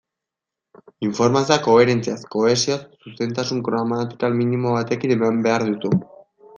Informazioa koherentziaz, kohesioz, zuzentasun gramatikal minimo batekin eman behar duzu.